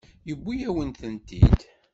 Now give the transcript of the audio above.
Yewwi-yawen-tent-id.